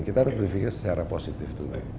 kita harus berpikir secara positif dulu